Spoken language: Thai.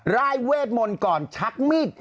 ล่ายเวทว์หม่นก่อนลดชัดมีด